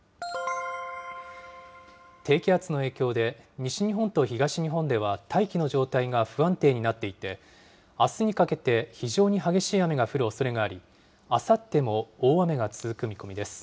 低気圧の影響で、西日本と東日本では、大気の状態が不安定になっていて、あすにかけて非常に激しい雨が降るおそれがあり、あさっても大雨が続く見込みです。